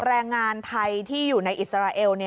แรงงานไทยที่อยู่ในอิสราเอล